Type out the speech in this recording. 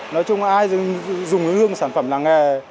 nói chung ai dùng hương sản phẩm làng nghề